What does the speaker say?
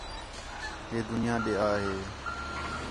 ہِے دُنیا ݙے آ ہے